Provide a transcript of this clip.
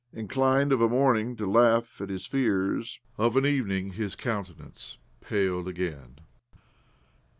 Inclined, of a morning, to laugh at his fears, of an evening his countenance paled again.